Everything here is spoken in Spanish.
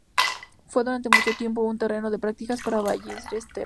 Fue durante mucho tiempo un terreno de prácticas para ballesteros.